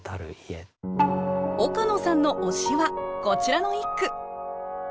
岡野さんの推しはこちらの一句。